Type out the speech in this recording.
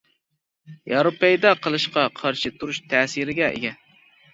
يارا پەيدا قىلىشقا قارشى تۇرۇش تەسىرىگە ئىگە.